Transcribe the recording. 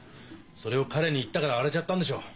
それを彼に言ったから荒れちゃったんでしょう。